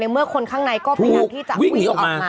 เมื่อคนข้างในก็พยายามที่จะวิ่งออกมา